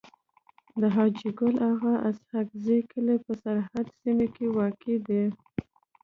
د حاجي ګل اغا اسحق زی کلی په سرحدي سيمه کي واقع دی.